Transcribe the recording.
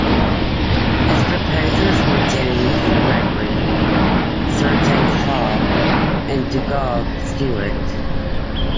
His proposers were James Gregory, Sir James Hall, and Dugald Stewart.